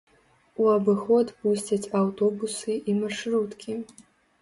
У абыход пусцяць аўтобусы і маршруткі.